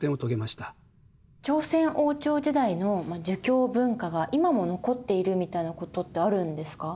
朝鮮王朝時代の儒教文化が今も残っているみたいなことってあるんですか？